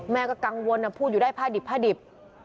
แม่ก็กังวลพูดอยู่ได้ผ้าดิบผ้าดิบ